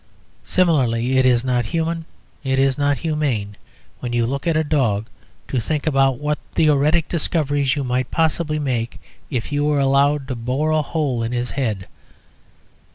Similarly, it is not human, it is not humane, when you look at a dog to think about what theoretic discoveries you might possibly make if you were allowed to bore a hole in his head.